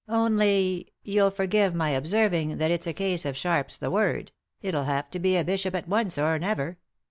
Only— you'll forgive my observing that it's a case of sharp's the word ; it'll have to be a bishop at once, or never.